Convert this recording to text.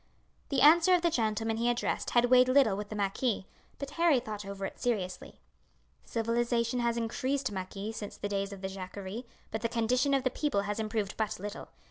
The answer of the gentleman he addressed had weighed little with the marquis, but Harry thought over it seriously. "Civilization has increased, marquis, since the days of the Jacquerie, but the condition of the people has improved but little.